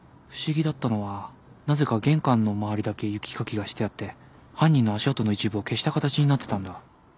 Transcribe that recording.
不思議だったのはなぜか玄関の周りだけ雪かきがしてあって犯人の足跡の一部を消した形になってたんだ。